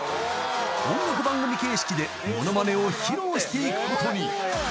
［音楽番組形式でモノマネを披露していくことに］